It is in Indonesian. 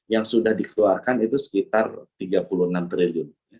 yang sudah dikeluarkan itu sekitar rp tiga puluh enam triliun